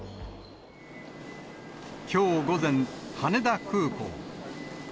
きょう午前、羽田空港。